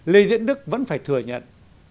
lê diễn đức vẫn phải thừa nhận